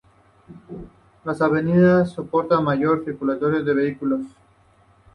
Las avenidas soportan mayor circulación de vehículos.